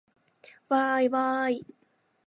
わーいわーい